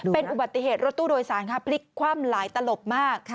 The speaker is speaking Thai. เป็นอุบัติเหตุรถตู้โดยสารค่ะพลิกคว่ำหลายตลบมาก